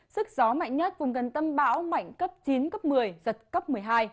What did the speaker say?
sức gió mạnh nhất vùng gần tâm báo mạnh cấp chín một mươi giật cấp một mươi hai